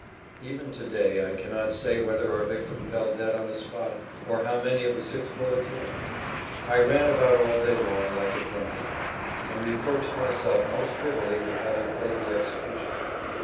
[Pg 30]Even to day I cannot say whether our victim fell dead on the spot or how many of the six bullets hit him. I ran about all day long like a drunken man, and reproached myself most bitterly with having played the executioner.